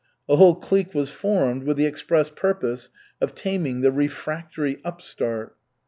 A whole clique was formed with the express purpose of taming the refractory upstart.